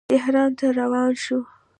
تهران ته روان شو.